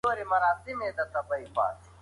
د بازار حقیقتونه ومنئ.